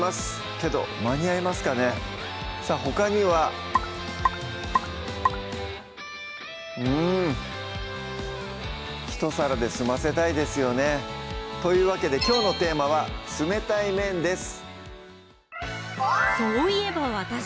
けど間に合いますかねさぁほかにはうん一皿ですませたいですよねというわけできょうのテーマは「冷たい麺」です